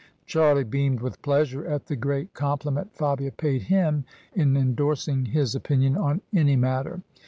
Charlie beamed with pleasure at the great compliment Fabia paid him in endorsing his opinion on any matter.